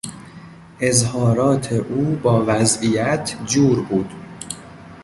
اظهارات او با وضعیت جور بود.